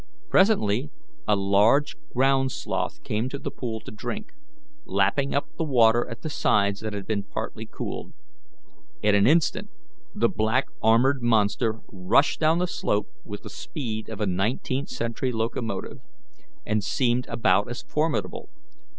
Presently a large ground sloth came to the pool to drink, lapping up the water at the sides that had partly cooled. In an instant the black armored monster rushed down the slope with the speed of a nineteenth century locomotive, and seemed about as formidable.